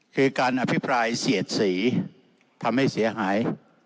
คือการอภิปรายเสียดสีทำให้เสียหาย